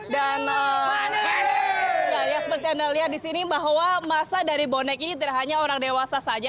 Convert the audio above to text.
dan seperti anda lihat di sini bahwa masa dari bonek ini tidak hanya orang dewasa saja